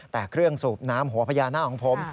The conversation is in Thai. แต่เครื่องสูบน้ำหัวพญานาคของผม